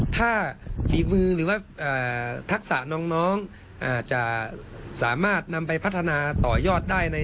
ถ้าฝีมือหรือว่าทักษะน้องอาจจะสามารถนำไปพัฒนาต่อยอดได้